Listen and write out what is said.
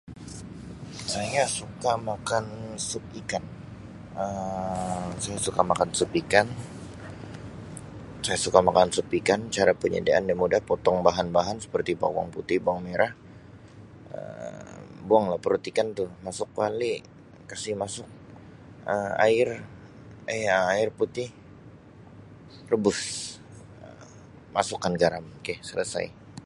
Saya suka makan sup ikan. Um Saya suka makan sup ikan. Saya suka makan sup ikan, cara penyediaannya mudah, potong bahan-bahan seperti bawang putih, bawang merah, Um buanglah perut ikan tu, masuk kuali, kasi masuk Um air Um air putih, rebus, Um masukkan garam, okay selesai.